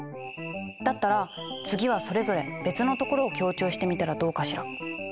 だったら次はそれぞれ別のところを強調してみたらどうかしら。